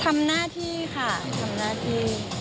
ทำหน้าที่ค่ะทำหน้าที่